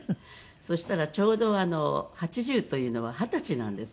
そしたらちょうど８０というのは二十歳なんですよね。